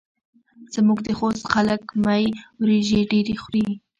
زموږ د خوست خلک مۍ وریژې ډېرې خوري.